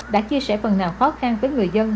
đã chia sẻ phần nào khó khăn với người dân